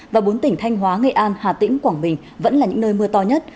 và bốn tỉnh thanh hóa nghệ an hà tĩnh quảng bình vẫn là những nơi mưa to nhất